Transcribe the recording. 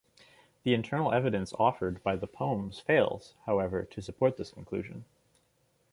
The internal evidence offered by the poems fails, however, to support this conclusion.